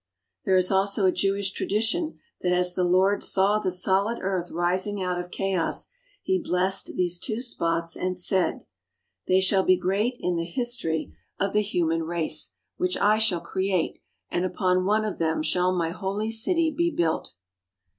There is also a Jewish tradition that as the Lord saw the solid earth rising out of chaos He blessed these two spots and said: "They shall be great in the history of the human 57 THE HOLY LAND AND SYRIA race, which I shall create, and upon one of them shall my holy city be built.